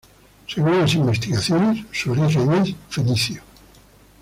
Según las investigaciones, su origen es fenicio.